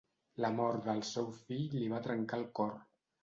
La mort del seu fill li va trencar el cor.